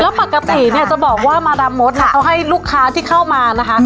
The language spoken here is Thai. แล้วปกติเนี่ยจะบอกว่ามาดามมดเนี่ยเขาให้ลูกค้าที่เข้ามานะคะ